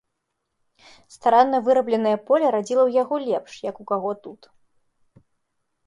Старанна вырабленае поле радзіла ў яго лепш, як у каго тут.